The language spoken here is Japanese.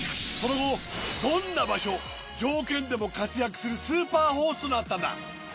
その後どんな場所条件でも活躍するスーパーホースとなったんだ。